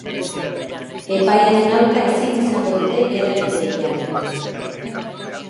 Epaiaren aurka ezin izango dute helegiterik jarri.